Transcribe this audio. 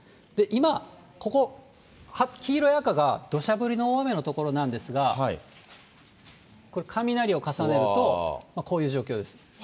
今、ここ、黄色や赤がどしゃ降りの大雨の所なんですが、これ、雷を重ねると、こういう状況です。